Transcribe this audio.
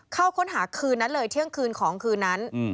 เข้าค้นหาคืนนั้นเลยเที่ยงคืนของคืนนั้น